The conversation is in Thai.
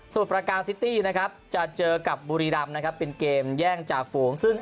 ส่วนประการซิตี้นะครับจะเจอกับบุรีรำนะครับเป็นเกมแย่งจ่าฝูงซึ่ง